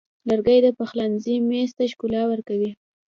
لرګی د پخلنځي میز ته ښکلا ورکوي.